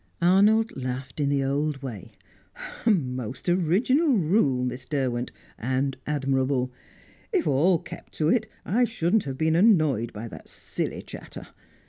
Arnold laughed in the old way. "A most original rule, Miss Derwent, and admirable. If all kept to it I shouldn't have been annoyed by that silly chatter.